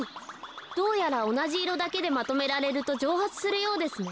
どうやらおなじいろだけでまとめられるとじょうはつするようですね。